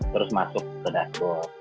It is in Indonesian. terus masuk ke dashboard